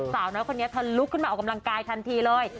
สาวน้อยคนนี้เธอลุกขึ้นมาออกกำลังกายทันทีเลย